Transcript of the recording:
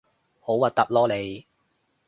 好核突囉你